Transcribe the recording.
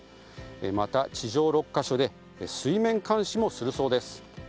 また、地上６か所で水面監視もするそうです。